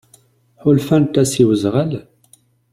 Ḥulfant-as i wezɣal?